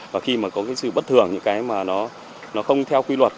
và khi mà có cái sự bất thường những cái mà nó không theo quy luật